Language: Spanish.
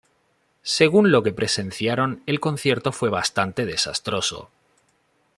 Según lo que presenciaron el concierto fue bastante desastroso.